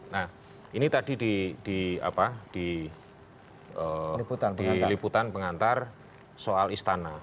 nah ini tadi di liputan pengantar soal istana